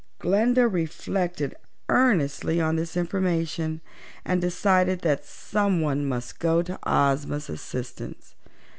Glinda reflected earnestly on this information and decided that someone must go to Ozma's assistance.